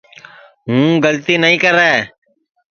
ہُوں گلتی نائی کرے